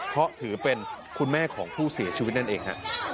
เพราะถือเป็นคุณแม่ของผู้เสียชีวิตนั่นเองฮะ